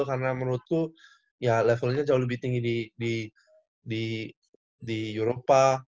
karena menurutku ya levelnya jauh lebih tinggi di europa